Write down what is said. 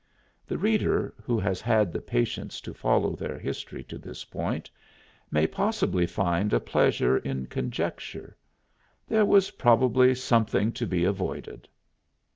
The reader who has had the patience to follow their history to this point may possibly find a pleasure in conjecture: there was probably something to be avoided.